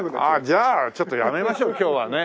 じゃあちょっとやめましょう今日はね。